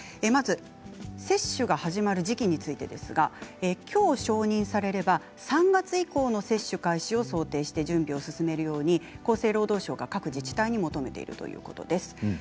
まず接種が始まる時期についてですがきょう承認されれば３月以降の接種開始を想定して準備を進めるように厚生労働省が各自治体に求めているということです。